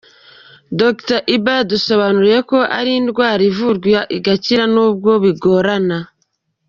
Dr Iba yadusobanuriye ko ari indwara ivurwa igakira n’ubwo bigorana.